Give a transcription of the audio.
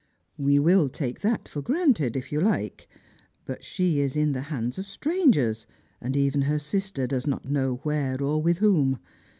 "We will take that for granted, if you like. But she is in the hands of strangers, and even her sister does not know where or with whom.